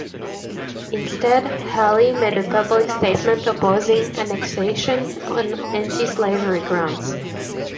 Instead, Hale made a public statement opposing annexation on anti-slavery grounds.